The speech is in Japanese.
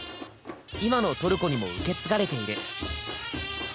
今のトルコにも受け継がれている。